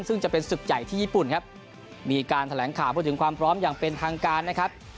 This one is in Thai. ซึ่งจะเป็นศึกใหญ่ที่ญี่ปุ่นครับมีการแถลงข่าวพูดถึงความพร้อมอย่างเป็นทางการนะครับ